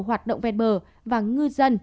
hoạt động ven bờ và ngư dân